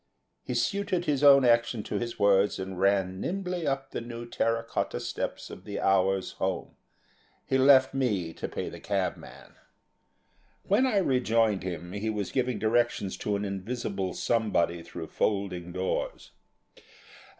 He suited his own action to his words and ran nimbly up the new terra cotta steps of the Hour's home. He left me to pay the cabman. When I rejoined him he was giving directions to an invisible somebody through folding doors.